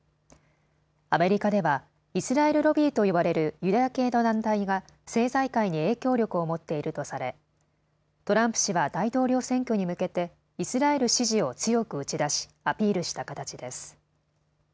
アメリカではイスラエル・ロビーと呼ばれるユダヤ系の団体が政財界に影響力を持っているとされトランプ氏は大統領選挙に向けてイスラエル支持を強く打ち出しアピールした形です。